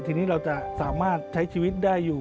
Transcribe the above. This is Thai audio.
ทีนี้เราจะสามารถใช้ชีวิตได้อยู่